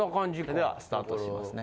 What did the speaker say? ではスタートしますね。